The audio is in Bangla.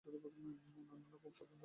না না, খুব সাবধান থাকবেন।